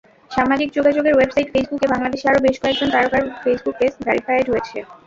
সামাজিক যোগাযোগের ওয়েবসাইট ফেসবুকে বাংলাদেশি আরও বেশ কয়েকজন তারকার ফেসবুক পেজ ভেরিফায়েড হয়েছে।